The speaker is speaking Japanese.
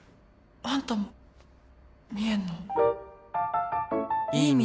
あんたも見えんの？